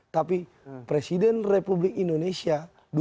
tapi presiden republik indonesia dua ribu sembilan belas dua ribu dua puluh empat